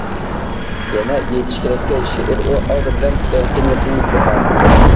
يەنە ئېيتىش كېرەككى، شېئىر ئۇ ئالدى بىلەن ئەركىنلىكنىڭ چۇقانى.